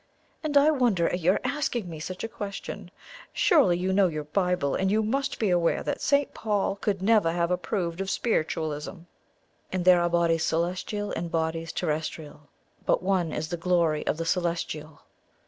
"And I wonder at your asking me such a question! Surely you know your Bible, and you must be aware that St. Paul could never have approved of spiritualism." "'And there are bodies celestial and bodies terrestrial, but one is the glory of the celestial?"